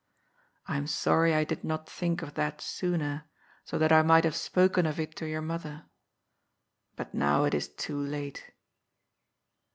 I am sorry I did not think of that sooner, so that I might have spoken of it to your mother. But now it is too late."